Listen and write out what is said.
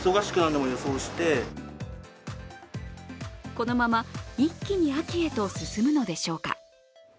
このまま一気に秋へと進むのでしょうか。